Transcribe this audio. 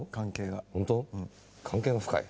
関係が深い。